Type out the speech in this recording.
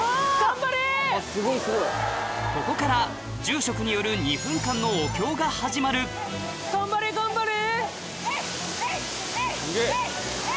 ここから住職によるが始まる頑張れ頑張れ。